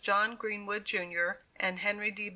John Greenwood, Junior, and Henry D.